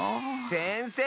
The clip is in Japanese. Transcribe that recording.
せんせい！